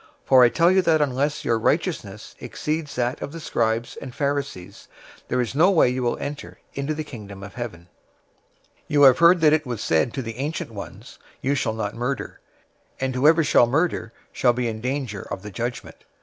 005:020 For I tell you that unless your righteousness exceeds that of the scribes and Pharisees, there is no way you will enter into the Kingdom of Heaven. 005:021 "You have heard that it was said to the ancient ones, 'You shall not murder;'{Exodus 20:13} and 'Whoever shall murder shall be in danger of the judgment.'